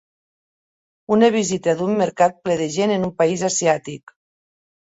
Una vista d'un mercat ple de gent en un país asiàtic.